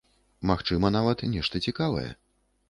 Магчыма, нават, нешта цікавае.